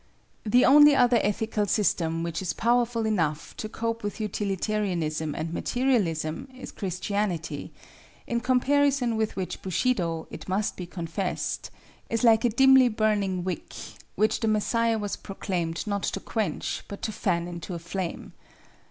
The only other ethical system which is powerful enough to cope with Utilitarianism and Materialism is Christianity, in comparison with which Bushido, it must be confessed, is like "a dimly burning wick" which the Messiah was proclaimed not to quench but to fan into a flame.